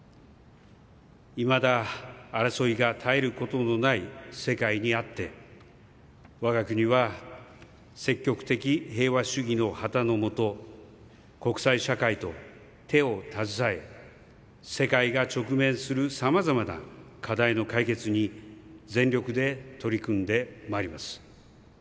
未だ争いが絶えることのない世界にあって我が国は積極的平和主義の旗の下国際社会と手を携え世界が直面する様々な課題の解決に全力で取り組んでまいります。